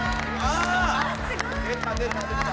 出た出た出た。